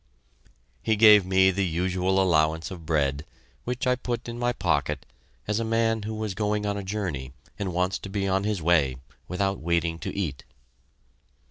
He gave me the usual allowance of bread, which I put in my pocket, as a man who was going on a journey and wants to be on his way, without waiting to eat.